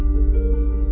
lalu akan keluar